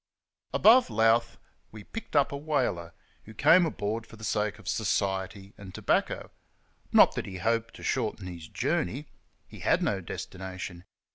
Above Louth we picked up a "whaler," who came aboard for the sake of society and tobacco. Not that he hoped to shorten his journey ; he had no destina tion.